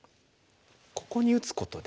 ここに打つことで。